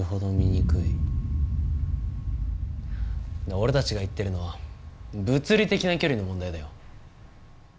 俺たちが言ってるのは物理的な距離の問題だよ。